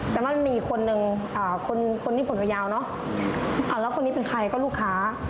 แต่มันมีอีกคนนึงคนที่ผมยาวเนอะแล้วคนนี้เป็นใครก็ลูกค้า